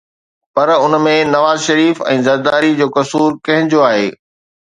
پر ان ۾ نواز شريف ۽ زرداري جو قصور ڪنهن جو آهي؟